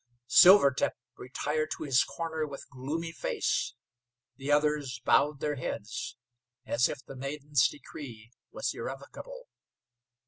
Silvertip retired to his corner with gloomy face. The others bowed their heads as if the maiden's decree was irrevocable.